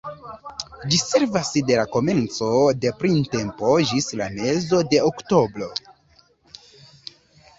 Ĝi servas de la komenco de printempo ĝis la mezo de oktobro.